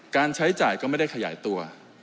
ใช้จ่ายก็ไม่ได้ขยายตัว